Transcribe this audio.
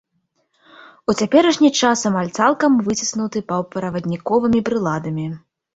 У цяперашні час амаль цалкам выціснуты паўправадніковымі прыладамі.